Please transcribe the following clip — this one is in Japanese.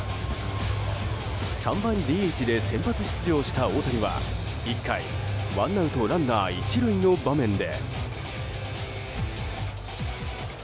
３番ＤＨで先発出場した大谷は１回、ワンアウトランナー１塁の場面で。